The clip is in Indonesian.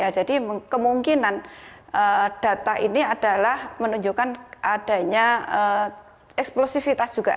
jadi kemungkinan data ini adalah menunjukkan adanya eksplosifitas juga